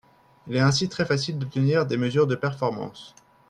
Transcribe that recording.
Il est ainsi très facile d'obtenir des mesures de performance